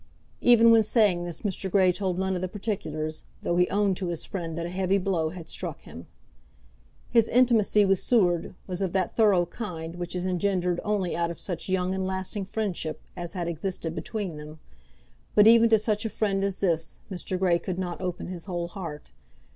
Even when saying this Mr. Grey told none of the particulars, though he owned to his friend that a heavy blow had struck him. His intimacy with Seward was of that thorough kind which is engendered only out of such young and lasting friendship as had existed between them; but even to such a friend as this Mr. Grey could not open his whole heart.